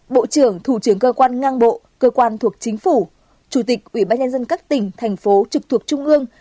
bộ trưởng thủ trưởng cơ quan ngang bộ cơ quan thuộc chính phủ chủ tịch ủy ban nhân dân các tỉnh thành phố trực thuộc trung ương